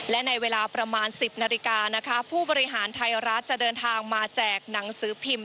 และในเวลาประมาณ๑๐นาฬิกานะคะผู้บริหารไทยรัฐจะเดินทางมาแจกหนังสือพิมพ์